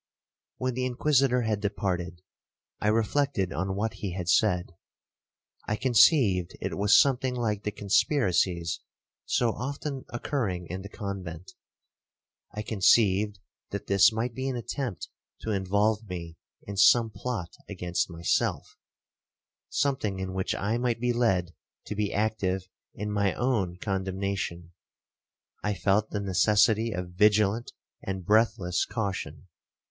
'When the Inquisitor had departed, I reflected on what he had said. I conceived it was something like the conspiracies so often occurring in the convent. I conceived that this might be an attempt to involve me in some plot against myself, something in which I might be led to be active in my own condemnation,—I felt the necessity of vigilant and breathless caution.